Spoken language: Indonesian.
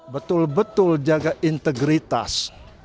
betul betul jaga integritas